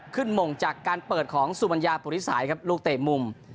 หม่งจากการเปิดของสุมัญญาปุริสัยครับลูกเตะมุม